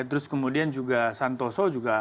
terus kemudian juga santoso juga